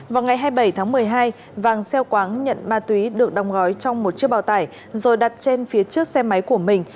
vào ngày hai mươi bảy tháng một mươi hai vàng xeoáng nhận ma túy được đong gói trong một chiếc bào tải rồi đặt trên phía trước xe máy của mình